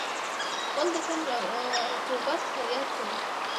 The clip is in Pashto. غول د کم رطوبت فریاد کوي.